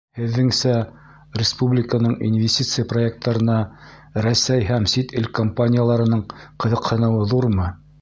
— Һеҙҙеңсә, республиканың инвестиция проекттарына Рәсәй һәм сит ил компанияларының ҡыҙыҡһыныуы ҙурмы?